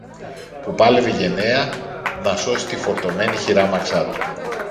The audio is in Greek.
που πάλευε γενναία να σώσει τη φορτωμένη χειράμαξα του